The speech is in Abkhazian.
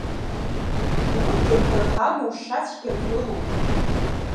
Урҭ ирԥырхагоу шьацәгьак рылоуп.